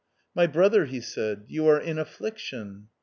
" My brother," he said, " you are in affliction."